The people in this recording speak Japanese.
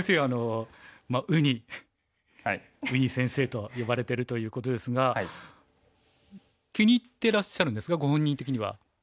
あのウニウニ先生と呼ばれてるということですが気に入ってらっしゃるんですかご本人的には。